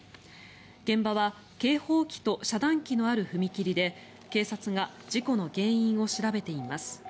現場は警報機と遮断機のある踏切で警察が事故の原因を調べています。